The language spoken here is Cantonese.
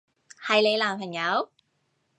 係你男朋友？